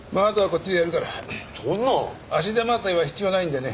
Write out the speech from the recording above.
足手まといは必要ないんでね。